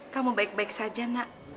kamu baik baik saja nak